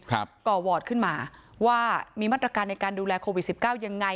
ก่อวอร์ดขึ้นมาว่ามีมาตรการในการดูแลโควิดสิบเก้ายังไง